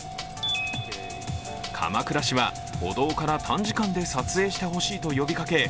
鎌倉市は歩道から短時間で撮影してほしいと呼びかけ